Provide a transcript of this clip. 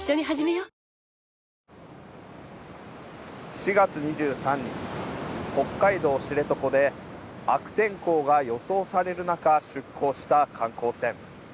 ４月２３日北海道知床で悪天候が予想されるなか出航した観光船。